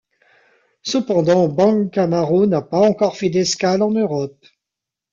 Cependant Bang Camaro n'a pas encore fait d'escale en Europe.